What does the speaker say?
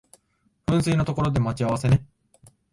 噴水の所で待ち合わせね